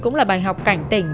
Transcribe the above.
cũng là bài học cảnh tỉnh